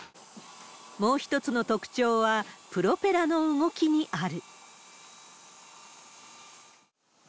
もう一つの特徴は、プロペラの動きにある。